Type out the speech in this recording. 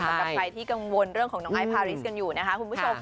สำหรับใครที่กังวลเรื่องของน้องไอซพาริสกันอยู่นะคะคุณผู้ชม